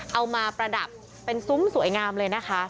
ประดับเป็นซุ้มสวยงามเลยนะคะ